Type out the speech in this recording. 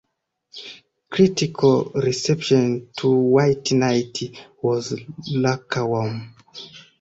Critical reception to "White Night" was lukewarm.